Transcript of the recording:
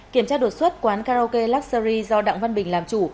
kiểm tra đột xuất quán karaoke luxury do đặng văn bình làm chủ